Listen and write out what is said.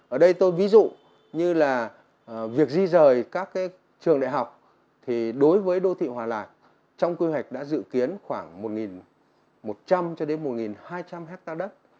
ở đây tôi ví dụ như là việc di rời các trường đại học thì đối với đô thị hòa lạc trong quy hoạch đã dự kiến khoảng một một trăm linh cho đến một hai trăm linh hectare đất